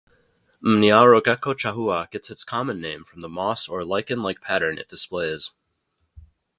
"Mniarogekko chahoua" gets its common name from the moss or lichen-like pattern it displays.